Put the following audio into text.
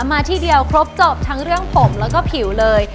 มาที่เดียวครบจบทั้งเรื่องผมแล้วก็ผิวเลย